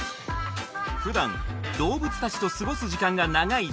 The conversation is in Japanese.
普段動物たちと過ごす時間が長い